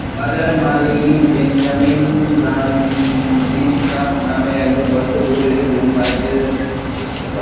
বাজারের মালি বেঞ্জামিন ব্রানডিসনাপ নামে এক বয়স্ক কুকুর এসে পুডিং মালিকদের মুক্ত করে।